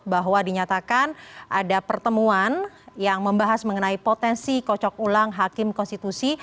bahwa dinyatakan ada pertemuan yang membahas mengenai potensi kocok ulang hakim konstitusi